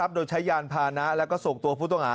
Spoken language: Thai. รักษัพโดยใช้ยานพานะและส่งตัวผู้ต้องอ่า